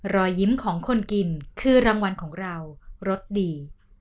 รอยยิ้มของคนกินคือรางวัลของเรารสดี